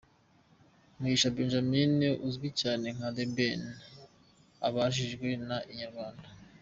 Mugisha Benjamin auzwi cyane nka The Ben abajijwe na Inyarwanda.